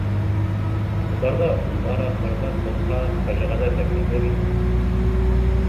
Юлдарҙа үҙ-ара хөрмәт булһа, фажиғәләр ҙә кәмер ине.